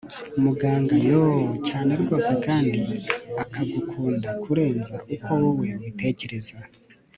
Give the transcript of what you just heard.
Muganga yoooo cyane rwose kandi akagukunda kurenza uko wowe ubitekereza